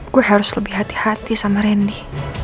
gue harus lebih hati hati sama randy